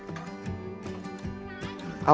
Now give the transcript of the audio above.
ketika mereka berpikir mereka tidak bisa mengimplementasikan